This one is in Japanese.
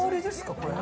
これ。